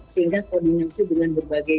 sehingga koordinasi dengan berbagai